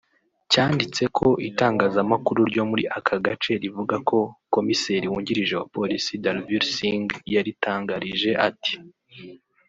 cyanditse ko itangazamakuru ryo muri aka gace rivuga ko komiseri wungirije wa Polisi Dalvir Singh yaritangarije ati